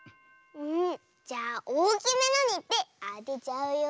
んじゃあおおきめのにいってあてちゃうよ。